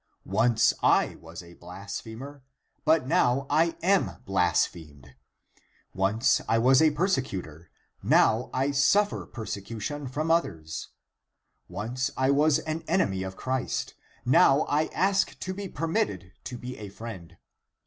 Once I was a blasphemer, but now I am blasphemed ; once I was a persecutor, now I suffer persecution from others ; once I was an enemy of Christ, now I ask to be permitted to be a friend.